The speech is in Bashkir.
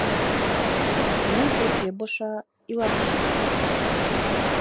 Уның эсе боша, илағыһы килә.